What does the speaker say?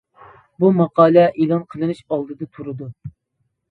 بۇ ماقالە ئېلان قىلىنىش ئالدىدا تۇرىدۇ.